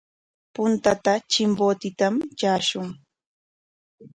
Puntata Chimbotetam traashun.